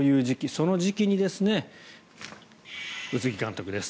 その時期に宇津木監督です。